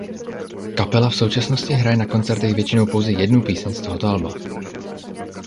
Kapela v současnosti hraje na koncertech většinou pouze jednu píseň z tohoto alba.